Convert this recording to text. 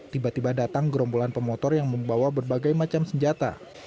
tiba tiba datang gerombolan pemotor yang membawa berbagai macam senjata